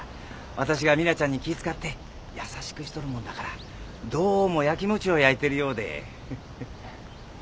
わたしがミナちゃんに気ぃ遣って優しくしとるもんだからどうもヤキモチをやいてるようでフフッ。